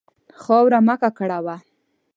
خاوره مه ککړوه.